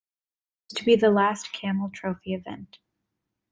It was to be the last Camel Trophy event.